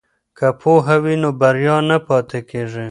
که پوهه وي نو بریا نه پاتې کیږي.